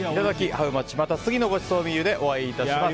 ハウマッチまた次のごちそうメニューでお会いいたします。